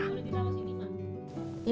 kau vidaloh sini ma